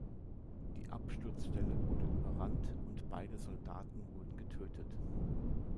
Die Absturzstelle wurde überrannt und beide Soldaten wurden getötet.